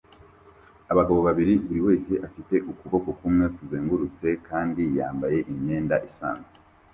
Abagabo babiri buri wese afite ukuboko kumwe kuzengurutse kandi yambaye imyenda isanzwe